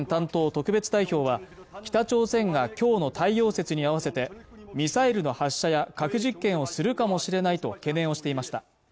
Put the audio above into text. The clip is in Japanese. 特別代表は北朝鮮がきょうの太陽節に合わせてミサイルの発射や核実験をするかもしれないと懸念をしていました